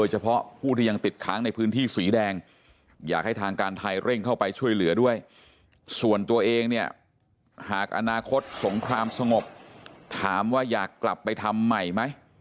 หากอนาคตสงครามสงบถามว่าอยากกลับไปทำใหม่ไหม